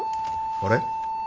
あれ？